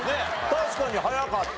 確かに早かった。